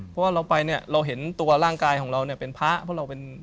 เพราะเราไปเราเห็นตัวร่างกายของเราเป็นพระ